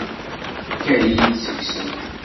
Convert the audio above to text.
Tekka-yi-d seg-sent.